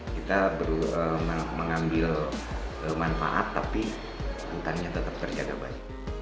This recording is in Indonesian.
kita mengambil manfaat tapi hutannya tetap terjaga baik